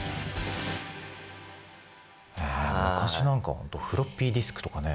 昔なんかほんとフロッピーディスクとかね。